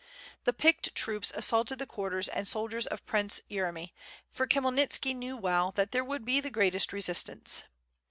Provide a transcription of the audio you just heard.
The picked troops assaulted the quarters and soldiers of Prince Yeremy, for Khmyelnitski knew well that there would be the greatest resistance.